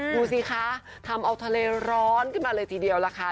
ดูสิคะทำเอาทะเลร้อนขึ้นมาเลยทีเดียวล่ะค่ะ